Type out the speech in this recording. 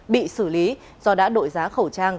bị xử lý do đã đội giá khẩu trang